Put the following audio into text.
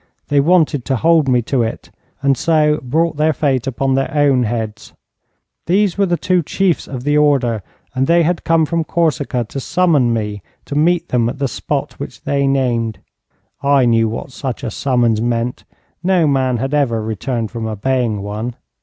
They wanted to hold me to it, and so brought their fate upon their own heads. These were the two chiefs of the order, and they had come from Corsica to summon me to meet them at the spot which they named. I knew what such a summons meant. No man had ever returned from obeying one.